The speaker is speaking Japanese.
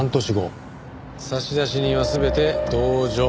差出人は全て「同上」。